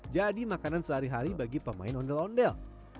jadi makanan sehari hari bagi pemain ondel ondel